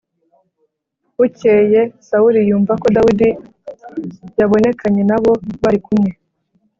Bukeye Sawuli yumva ko Dawidi yabonekanye n’abo bari kumwe.